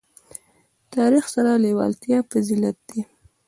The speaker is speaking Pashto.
تاریخ سره لېوالتیا فضیلت ده.